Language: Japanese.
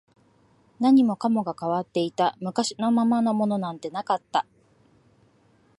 何もかもが変わっていた、昔のままのものなんてなかった